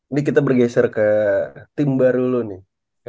ini kita bergeser ke tim baru dulu nih